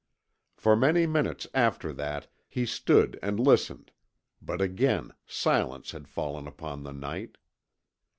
For many minutes after that he stood and listened but again silence had fallen upon the night.